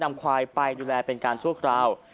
นำควายไปดูแลเป็นการชั่วคราว